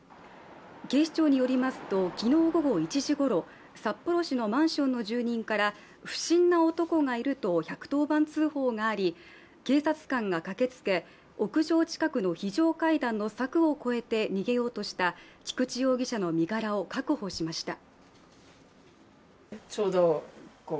警視庁によりますと昨日午後１時ごろ札幌市のマンションの住人から不審な男がいると１１０番通報があり、警察官が駆けつけ、屋上近くの非常階段の柵を越え逃げようとした菊池容疑者の身柄を確保しました。